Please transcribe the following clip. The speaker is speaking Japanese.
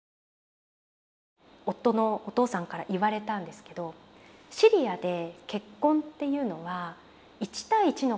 夫のお父さんから言われたんですけどシリアで結婚っていうのは１対１の関係性じゃないんだと。